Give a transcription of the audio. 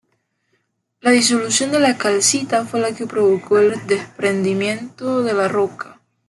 La disolución de la calcita fue la que provocó el desprendimiento de la roca.